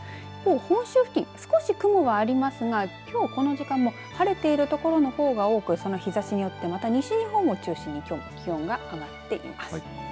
本州付近、少し雲はありますがきょうこの時間も晴れている所の方が多くその日ざしによってまた西日本を中心にきょうも気温が上がっています。